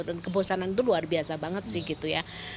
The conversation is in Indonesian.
dan kebosanan itu luar biasa banget sih gitu ya